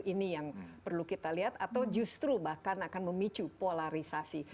ini yang perlu kita lihat atau justru bahkan akan memicu polarisasi